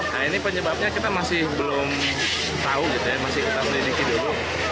nah ini penyebabnya kita masih belum tahu gitu ya masih kita miliki dulu